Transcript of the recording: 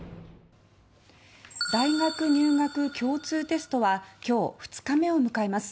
大学入学共通テストは今日、２日目を迎えます。